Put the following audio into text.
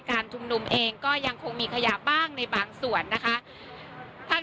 ชุมนุมเองก็ยังคงมีขยะบ้างในบางส่วนนะคะ